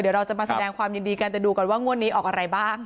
เดี๋ยวเราจะมาแสดงความยินดีกันแต่ดูก่อนว่างวดนี้ออกอะไรบ้าง